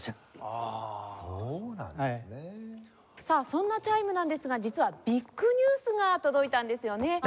さあそんなチャイムなんですが実はビッグニュースが届いたんですよね。